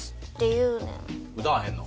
歌わへんの？